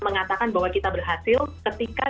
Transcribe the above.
mengatakan bahwa kita berhasil ketika